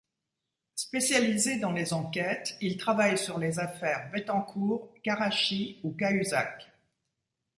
Spécialisé dans les enquêtes, il travaille sur les affaires Bettencourt, Karachi ou Cahuzac.